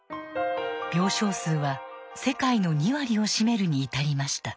病床数は世界の２割を占めるに至りました。